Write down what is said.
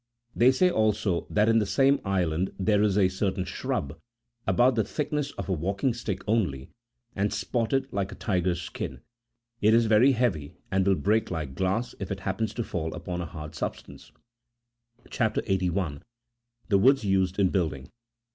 They say, also, that in the same island there is a certain shrub,43 about the thickness of a walking stick only, and spotted like a tiger's skin : it is very heavy, and will break like glass if it happens to fail upon a hard substance. CHAP. 81. (42.) — THE WOODS USED IN BUILDING.